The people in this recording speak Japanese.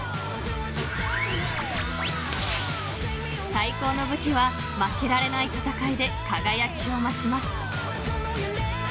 ［最高の武器は負けられない戦いで輝きを増します］